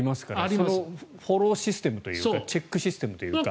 そのフォローシステムというかチェックシステムというか。